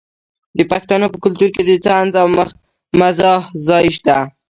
د پښتنو په کلتور کې د طنز او مزاح ځای شته.